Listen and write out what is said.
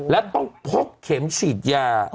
และต้องพกเข็มฉีดยา